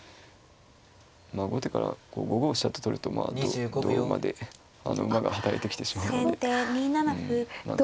まあ後手から５五飛車と取るとまあ同馬であの馬が引かれてきてしまうので。